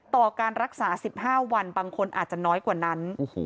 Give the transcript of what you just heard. ต่อการรักษา๑๕วันบางคนอาจจะน้อยกว่านั้น